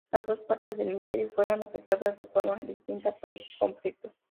Las dos partes del imperio fueron afectadas de forma distinta por el conflicto.